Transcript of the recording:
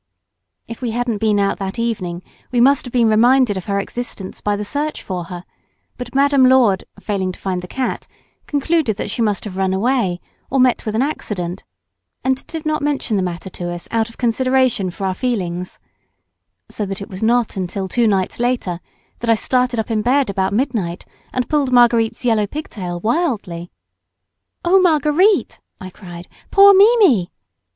If we hadn't been out that evening we must have been reminded of her existence by the search for her, but Madame Lourdes, failing to find the cat, concluded that she must have run away or met with an accident, and did not mention the matter to us out of consideration for our feelings, so that it was not till two nights later that I started up in bed about midnight and pulled Marguerite's yellow pigtail wildly. "Oh, Marguerite," I cried, "poor Mimi!"